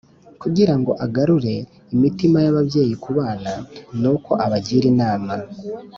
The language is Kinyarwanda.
kugira ngo agarure imitima y ababyeyi ku bana nuko abagira inama